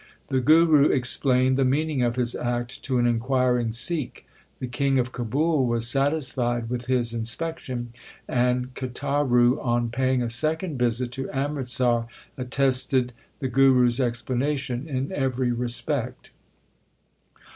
The Guru explained the meaning of his act to an inquiring Sikh. The king of Kabul was satisfied with his inspection, and Kataru on paying a second visit to Amritsar attested the Guru s explanation in every respect.